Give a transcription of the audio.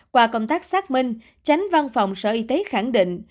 qua công tác xác minh tránh văn phòng sở y tế khẳng định